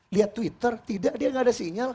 lihat twitter tidak dia nggak ada sinyal